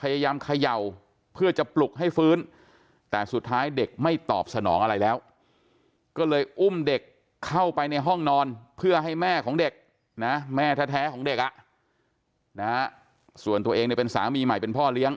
พยายามเขย่าเพื่อจะปลุกให้ฟื้นแต่สุดท้ายเด็กไม่ตอบสนองอะไรแล้วก็เลยอุ้มเด็กเข้าไปในห้องนอนเพื่อให้แม่ของเด็กนะแม่แท้ของเด็กส่วนตัวเองเนี่ยเป็นสามีใหม่เป็นพ่อเลี้ยง